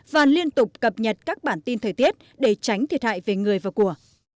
và liên tục cập nhật các bản tin thời tiết để tránh thiệt hại về người và của